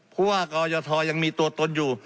เพราะว่ากรยธอยังมีตัวตนอยู่